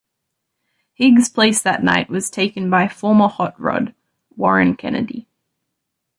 Higgs' place that night was taken by former Hot Rod, Warren Kennedy.